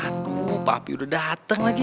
aduh papi udah dateng lagi